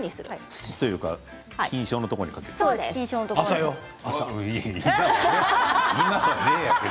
土というか菌床のところにかけるんですね。